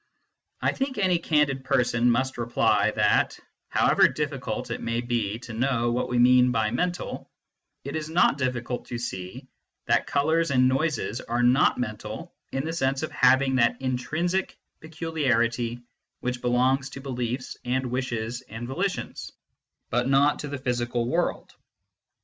I think any candid person must reply that, however difficult it may be to know what we mean by " mental/ it is not difficult to see that colours and noises are not mental in the sense of having that intrinsic peculiarity which belongs to beliefs and wishes and volitions, but not to the physical world.